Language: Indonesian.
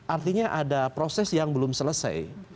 artinya ada proses yang belum selesai